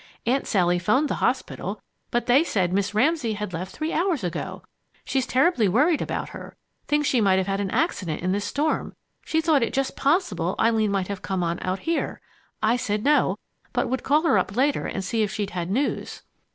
Aunt Sally 'phoned the hospital, but they said Miss Ramsay had left three hours ago. She's terribly worried about her thinks she may have had an accident in this storm. She thought it just possible Eileen might have come on out here. I said no, but would call her up later and see if she'd had news."